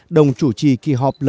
đồng chủ trì kỳ họp lần thứ hai